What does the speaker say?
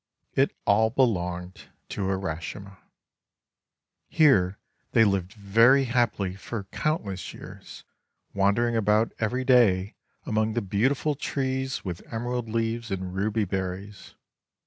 It all belonged to Urashima. Here they lived very happily for countless years, wandering about every day among the beautiful trees with emerald leaves and ruby berries.